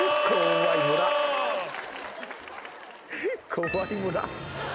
怖い村。